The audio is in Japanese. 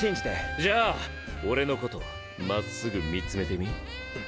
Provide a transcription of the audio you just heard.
じゃあ俺のことまっすぐ見つめてみ？